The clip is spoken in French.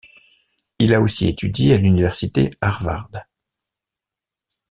Il a aussi étudié à l'université Harvard.